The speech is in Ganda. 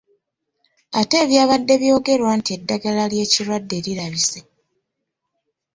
Ate ebyabadde byogerwa nti eddagala ly'ekirwadde lirabise?